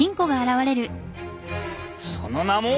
その名も。